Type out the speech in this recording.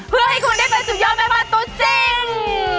เพื่อให้คุณได้เป็นสุดยอดแม่บ้านตัวจริง